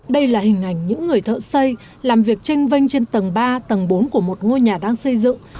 đây là hình ảnh những người thợ xây làm việc tranh vanh trên tầng ba tầng bốn của một ngôi nhà đang xây dựng